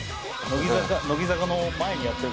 「乃木坂」の前にやってる。